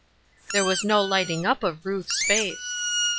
There was no lighting up of Ruth's face.